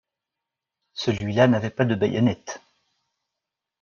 Celui-là n’avait pas de bayonnette.